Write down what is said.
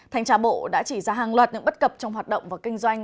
thanh tra bộ đã chỉ ra hàng loạt những bất cập trong hoạt động và kinh doanh